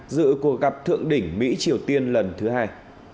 dự cuộc gặp thượng đỉnh mỹ triều tiên lần thứ hai